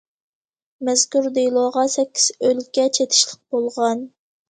مەزكۇر دېلوغا سەككىز ئۆلكە چېتىشلىق بولغان.